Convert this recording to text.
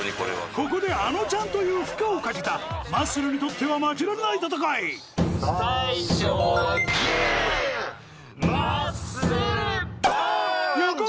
ここであのちゃんという負荷を賭けたマッスルにとっては負けられない戦いぽん！